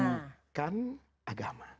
yang dilakukan antar umat beragama